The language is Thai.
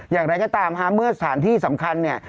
อย่างไรก็ตามฮะเมื่อสถานที่สำคัญเนี่ย